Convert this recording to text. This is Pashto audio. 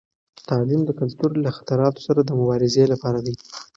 تعلیم د کلتور له خطراتو سره د مبارزې لپاره دی.